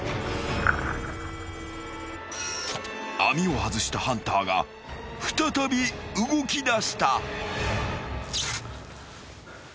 ［網を外したハンターが再び動きだした］